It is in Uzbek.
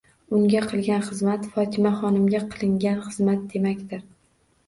Unga qilingan xizmat, Fotimaxonimga qilingan xizmat demakdir.